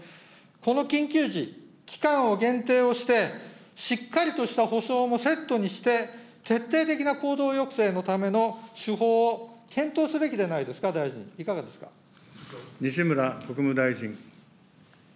この緊急時、期間を限定をして、しっかりとした補償もセットにして、徹底的な行動抑制のための手法を検討すべきでないですか、大西村国務大臣。